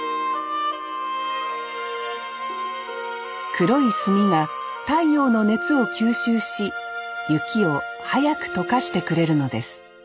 黒い炭が太陽の熱を吸収し雪を早く解かしてくれるのです